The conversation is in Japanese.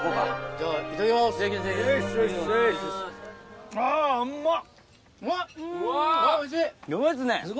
じゃあ、いただきます。